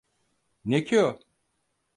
Ne ki o?